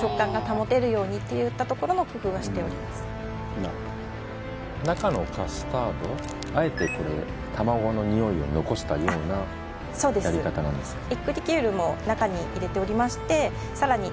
なるほど中のカスタードあえてこれ卵の匂いを残したようなあっやり方なんですか？